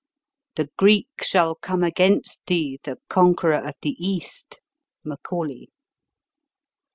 " The Greek shall come against thee, The conqueror of the East." MACAULAY.